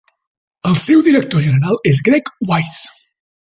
El seu director general és Greg Weis.